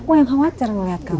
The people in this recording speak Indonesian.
aku yang khawatir ngeliat kamu